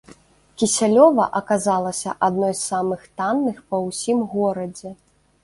Кісялёва аказалася адной з самых танных па ўсім горадзе.